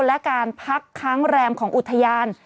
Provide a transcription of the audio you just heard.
และการพักค้างแรมของอุทยาน